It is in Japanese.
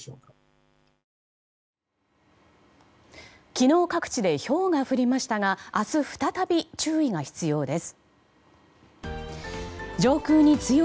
昨日、各地でひょうが降りましたが明日、再び注意が必要です。